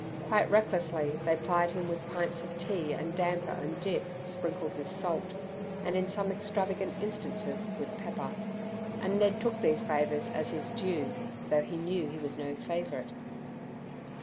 Quite recklessly they plied him with pints of tea and damper and dip, sprinkled with salt, and in some extravagant instances with pepper. And Ned took these favours as his due, though he knew he was no favourite.